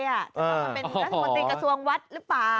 จะเข้ามาเป็นรัฐมนตรีกระทรวงวัดหรือเปล่า